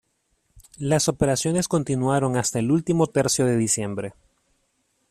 Las operaciones continuaron hasta el último tercio de diciembre.